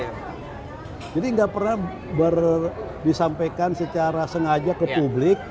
jadi tidak pernah disampaikan secara sengaja ke publik